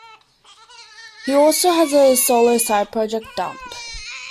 He also has a solo side project, Dump.